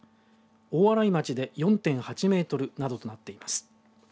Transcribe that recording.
大洗町で４．８メートルなどとなっています。